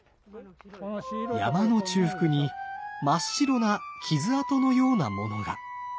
山の中腹に真っ白な傷痕のようなものが。